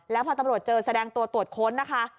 แล้วพอตำรวจเจอแสดงตัวตรวจค้นนะคะ